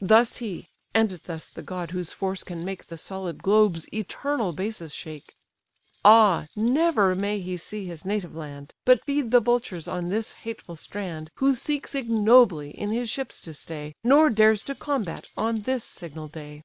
Thus he: and thus the god whose force can make The solid globe's eternal basis shake: "Ah! never may he see his native land, But feed the vultures on this hateful strand, Who seeks ignobly in his ships to stay, Nor dares to combat on this signal day!